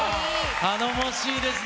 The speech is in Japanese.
頼もしいですね。